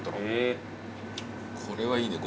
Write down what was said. これはいいね。